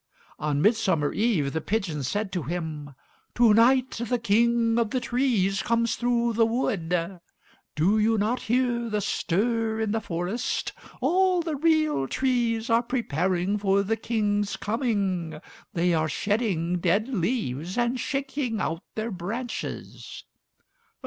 On Midsummer Eve, the pigeons said to him, "To night the King of the Trees comes through the wood. Do you not hear the stir in the forest? All the real trees are preparing for the King's coming; they are shedding dead leaves and shaking out their branches."